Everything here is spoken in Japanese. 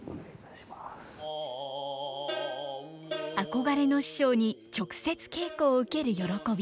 憧れの師匠に直接稽古を受ける喜び。